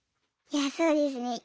いやそうですね。